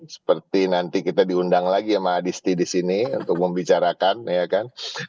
seperti nanti kita diundang lagi sama adisti di sini untuk membicarakan ya kan